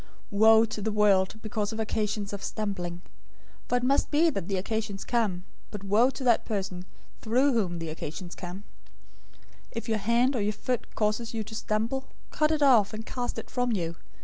018:007 "Woe to the world because of occasions of stumbling! For it must be that the occasions come, but woe to that person through whom the occasion comes! 018:008 If your hand or your foot causes you to stumble, cut it off, and cast it from you.